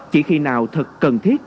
chỉ khi nào thật cần thiết